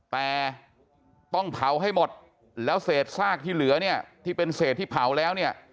แต่ต้องเผาให้หมดแล้วเศษซากที่เหลือเนี่ยที่เป็นเศษที่เผาแล้วเนี่ย